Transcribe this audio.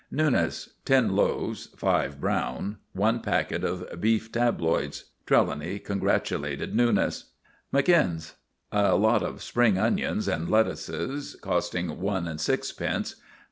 NEWNES. Ten loaves (five brown), one packet of beef tabloids. (Trelawny congratulated Newnes.) MCINNES. A lot of spring onions and lettuces, costing one and sixpence.